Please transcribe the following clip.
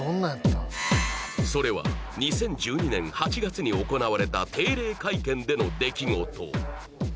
それは２０１２年８月に行われた定例会見での出来事